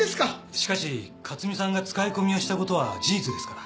しかし克巳さんが使い込みをしたことは事実ですから！